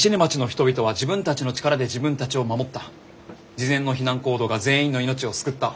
事前の避難行動が全員の命を救った。